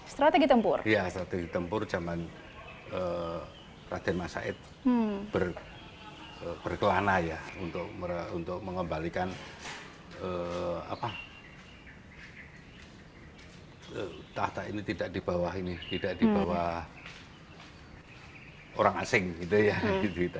strategi tempur zaman raden mas said berkelana ya untuk mengembalikan tahta ini tidak dibawah orang asing